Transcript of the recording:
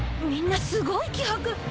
みんなすごい気迫！